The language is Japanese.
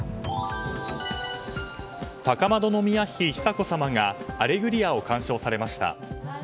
高円宮妃・久子さまが「アレグリア」を鑑賞されました。